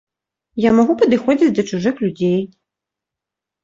Я магу падыходзіць да чужых людзей.